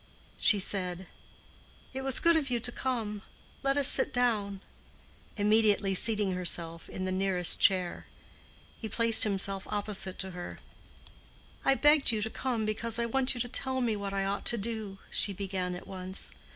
She said, "It was good of you to come. Let us sit down," immediately seating herself in the nearest chair. He placed himself opposite to her. "I asked you to come because I want you to tell me what I ought to do," she began, at once.